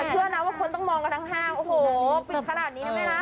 เชื่อนะว่าคนต้องมองกันทั้งห้างโอ้โหปิดขนาดนี้นะแม่นะ